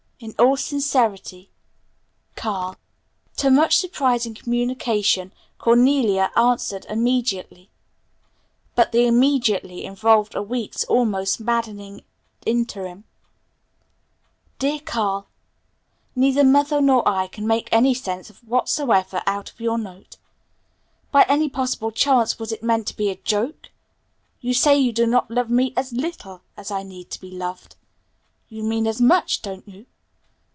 "In all sincerity, "CARL." To which surprising communication Cornelia answered immediately; but the 'immediately' involved a week's almost maddening interim, "DEAR CARL: "Neither mother nor I can make any sense whatsoever out of your note. By any possible chance was it meant to be a joke? You say you do not love me 'as little' as I need to be loved. You mean 'as much', don't you?